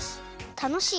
たのしい！